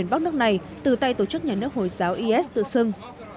bắc nước này từ tay tổ chức nhà nước hồi giáo is tự xưng